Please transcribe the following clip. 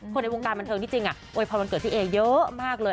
คนในวงการบรรเทิงที่จริงมันเกิดพี่เอเยอะมากเลย